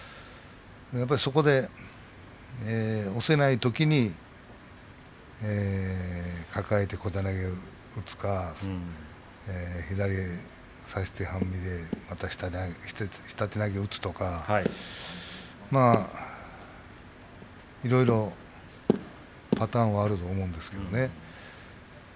そこで、押せないときに抱えて小手投げを打つか左差して半身で下手投げを打つとかいろいろパターンはあると思うんですけどね。